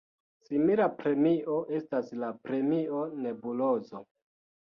Simila premio estas la Premio Nebulozo.